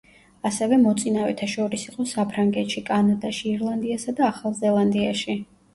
ასევე მოწინავეთა შორის იყო საფრანგეთში, კანადაში, ირლანდიასა და ახალ ზელანდიაში.